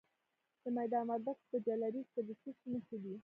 د میدان وردګو په جلریز کې د څه شي نښې دي؟